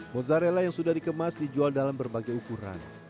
mozzarella yang sudah dikemas dijual dalam berbagai ukuran